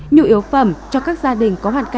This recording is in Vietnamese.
nhu yếu phẩm cho các gia đình có hoàn cảnh